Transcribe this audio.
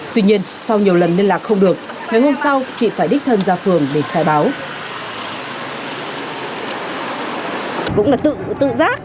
tuy nhiên sau nhiều lần liên lạc không